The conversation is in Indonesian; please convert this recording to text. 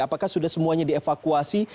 apakah sudah semuanya dievakuasi